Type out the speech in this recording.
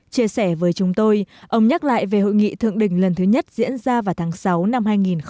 chia sẻ với chúng tôi ông nhắc lại về hội nghị thượng đỉnh lần thứ nhất diễn ra vào tháng sáu năm hai nghìn một mươi chín